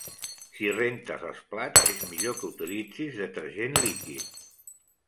Si rentes els plats, és millor que utilitzis detergent líquid .